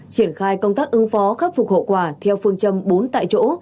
triển khai công tác ứng phó khắc phục hậu quả theo phương châm bốn tại chỗ